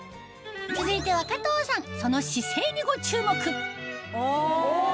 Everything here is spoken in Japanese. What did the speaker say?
続いては加藤さんその姿勢にご注目お！